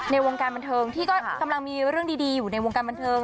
ในวงการบันเทิงที่ก็กำลังมีเรื่องดีอยู่ในวงการบันเทิง